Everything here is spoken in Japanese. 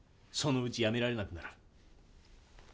そのうちやめられなくなる。